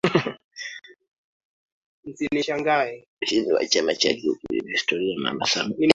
Ushindi wa chama chake uliilinda historia ya Mama Samia